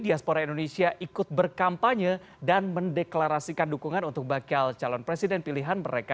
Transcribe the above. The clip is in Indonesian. diaspora indonesia ikut berkampanye dan mendeklarasikan dukungan untuk bakal calon presiden pilihan mereka